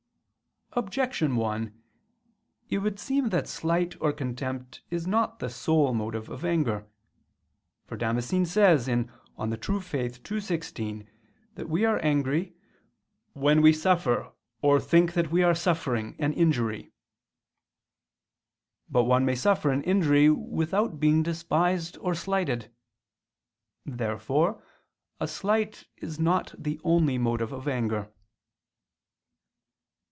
Objection 1: It would seem that slight or contempt is not the sole motive of anger. For Damascene says (De Fide Orth. ii, 16) that we are angry "when we suffer, or think that we are suffering, an injury." But one may suffer an injury without being despised or slighted. Therefore a slight is not the only motive of anger.